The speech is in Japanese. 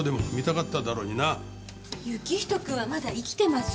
行人君はまだ生きてます。